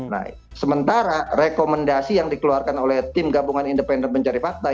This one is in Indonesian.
nah sementara rekomendasi yang dikeluarkan oleh tim gabungan independen mencari fakta